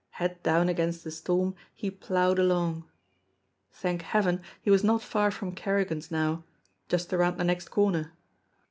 Head down against the storm, he ploughed along. Thank Heaven, he was not far from Kerrigan's now just around the next corner.